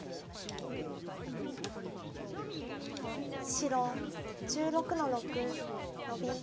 白１６の六ノビ。